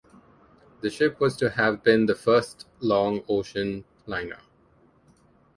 The ship was to have been the first -long ocean liner.